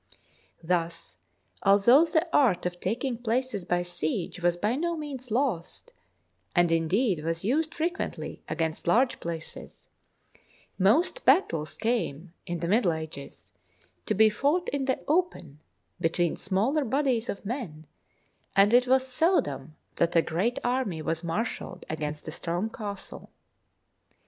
Thus although the art of taking places by siege was by no means lost, and indeed was used fre quently against large places, most battles came, in the Middle Ages, to be fought in the open between smaller bodies of men, and it was seldom that a great army was marshalled against a strong castle.